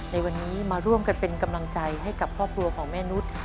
ในวันนี้มาร่วมกันเป็นกำลังใจให้กับครอบครัวของแม่นุษย์